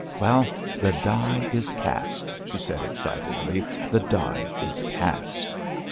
Well, the die is cast," she said excitedly; "the die is cast."